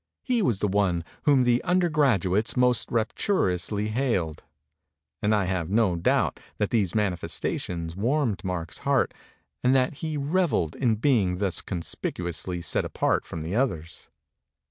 He was the one whom the undergrad uates most rapturously hailed. And I have no doubt that these manifestations warmed Mark's heart and that he revelled in being thus con spicuously set apart from the others.